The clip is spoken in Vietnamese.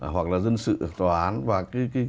hoặc là dân sự tòa án